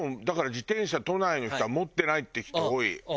だから自転車都内の人は持ってないって人多い。